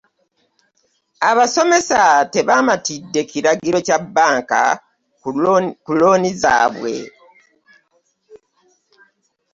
Abasomesa tebamatidde kiragiro kya bbanka ku looni zabwe .